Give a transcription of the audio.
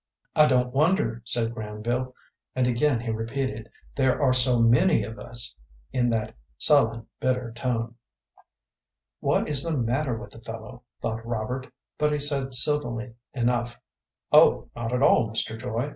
"I don't wonder," said Granville, and again he repeated, "There are so many of us," in that sullen, bitter tone. "What is the matter with the fellow?" thought Robert; but he said, civilly enough; "Oh, not at all, Mr. Joy.